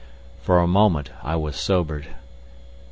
For a moment I was sobered.